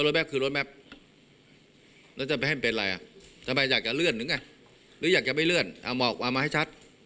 ทำไมอยากจะเลื่อนหรือไงหรืออยากจะไม่เลื่อนเอามาให้ชัด